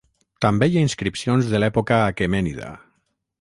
També hi ha inscripcions de l'època Aquemènida.